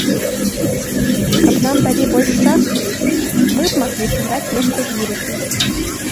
Каб нам далі больш часу, мы б маглі сыграць нешта з лірыкі.